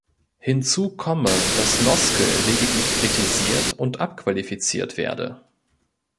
Hinzu komme, dass Noske lediglich kritisiert und abqualifiziert werde.